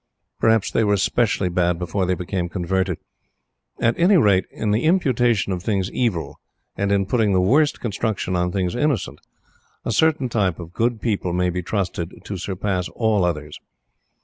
Perhaps they were specially bad before they became converted! At any rate, in the imputation of things evil, and in putting the worst construction on things innocent, a certain type of good people may be trusted to surpass all others.